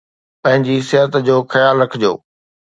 پنهنجي صحت جو خيال رکجو